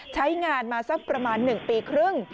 ใช้งานมาสักประมาณ๑ปีครึ่ง